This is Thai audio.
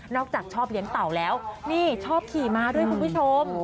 จากชอบเลี้ยงเต่าแล้วนี่ชอบขี่มาด้วยคุณผู้ชม